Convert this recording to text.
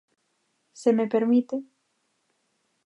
Se me permite.